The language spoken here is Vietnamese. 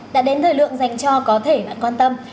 đã đến thời lượng dành cho có thể bạn quan tâm